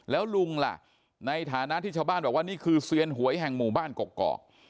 แล้วลุงล่ะในฐานะที่ชาวบ้านบอกว่านี่คือเซียนหวยแห่งหมู่บ้านกกอก